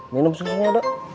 minum susunya dede